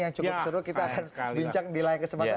yang cukup seru kita akan bincang di lain kesempatan